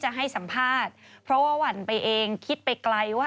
เอามาอีกหนึ่งเรื่องค่ะ